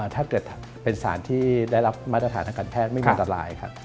ถ้าเกิดเป็นสารที่ได้รับมาตรฐานทางการแพทย์ไม่มีอันตรายครับ